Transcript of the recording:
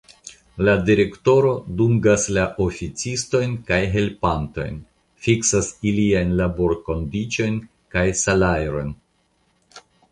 La Direktoro dungas la oficistojn kaj helpantojn, fiksas iliajn laborkondiĉojn kaj salajrojn.